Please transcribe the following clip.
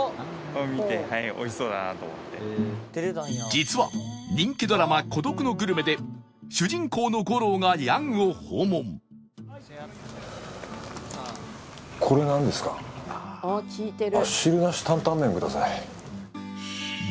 実は人気ドラマ『孤独のグルメ』で主人公の五郎が楊を訪問あっ聞いてる。